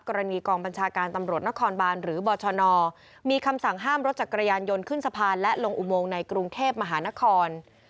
กรณีกองบัญชาการตำรวจนครบานหรือบชนมีคำสั่งห้ามรถจักรยานยนต์ขึ้นสะพานและลงอุโมงในกรุงเทพมหานคร